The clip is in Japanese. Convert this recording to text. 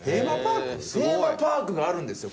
テーマパークがあるんですよ